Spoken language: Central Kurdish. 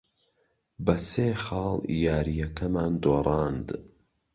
بە سێ خاڵ یارییەکەمان دۆڕاند.